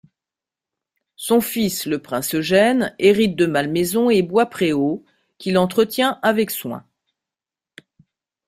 Son fils, le prince Eugène, hérite de Malmaison et Bois-Préau, qu'il entretient avec soin.